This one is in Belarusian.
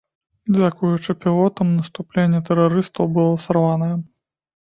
Дзякуючы пілотам наступленне тэрарыстаў было сарванае.